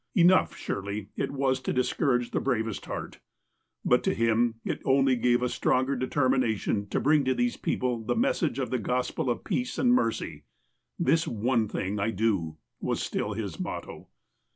Enough, surely, it was to discourage the bravest lieart. But to him it only gave a stronger de termination to bi ing to these people the message of the Gospel of peace and mercy. '' This one thing I do, '' was still his motto.